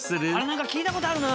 なんか聞いた事あるな。